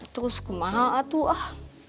terus kemah tuh ah